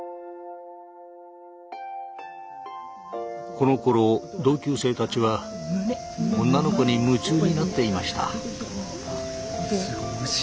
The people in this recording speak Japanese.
このころ同級生たちは女の子に夢中になっていました。